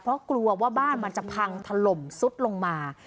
เพราะกลัวว่าบ้านมันจะพังถล่มซุดลงมา